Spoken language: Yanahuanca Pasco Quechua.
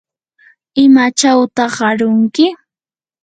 ¿imachawtaq arunki?